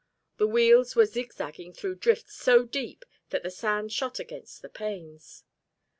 The wheels were zigzagging through drifts so deep that the sand shot against the panes.